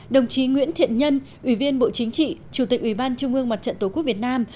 đồng chí nguyễn thiện nhân ủy viên bộ chính trị chủ tịch ủy ban trung ương mặt trận tổ quốc việt nam